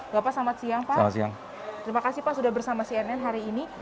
bapak selamat siang pak terima kasih pak sudah bersama cnn hari ini